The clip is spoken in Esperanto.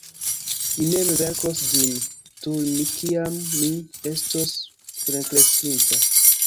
Mi mem verkos ĝin, tuj kiam mi estos plenkreskinta.